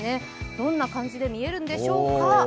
どんな感じで見えるんでしょうか。